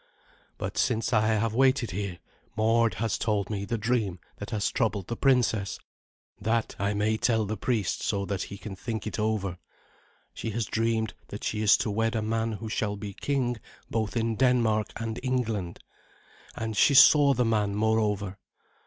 But since I have waited here, Mord has told me the dream that has troubled the princess, that I may tell the priest, so that he can think it over. She has dreamed that she is to wed a man who shall be king both in Denmark and England, and she saw the man, moreover.